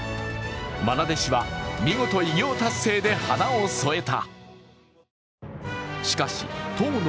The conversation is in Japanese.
まな弟子は見事、偉業達成で花を添えた。